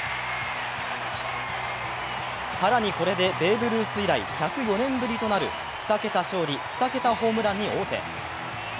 更にこれでベーブ・ルース以来１０４年ぶりとなる２桁勝利・２桁ホームランに王手。